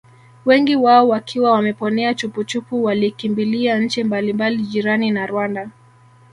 Wengi wao wakiwa Wameponea chupuchupu walikimbilia nchi mbalimbali jirani na Rwanda